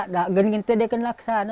kalau tidak kita harus ke sana